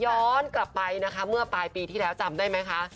ย้อนกลับไปนะคะเมื่อปลายปีที่แล้วจำได้ไหมคะ